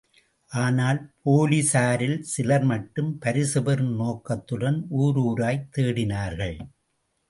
ஆனால் போலிஸாரில் சிலர்மட்டும் பரிசு பெறும் நோக்கத்துடன் ஊருராய்த் தேடினார்கள்.